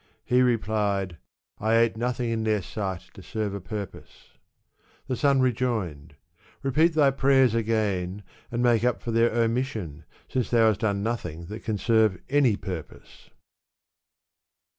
" He replied, '' I ate nothing in their sight to serve a purpose." The son rejoined, "Repeat thy prayers again, and make up for their omission, since thou hast done nothing that can serve any purpose."